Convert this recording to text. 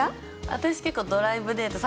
私結構ドライブデート